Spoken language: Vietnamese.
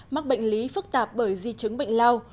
mắc bệnh lý phức tạp bởi di chứng bệnh lao